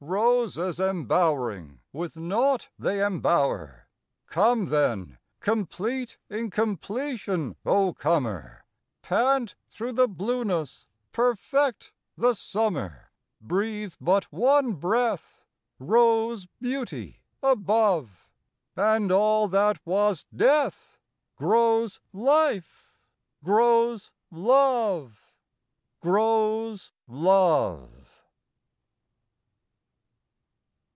Roses embowering with naught they embower! Come then, complete incompletion, O comer, Pant through the blueness, perfect the summer! Breathe but one breath Rose beauty above, And all that was death Grows life, grows love, Grows love!